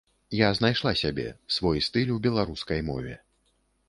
Я знайшла сябе, свой стыль у беларускай мове.